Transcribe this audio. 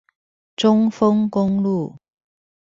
中豐公路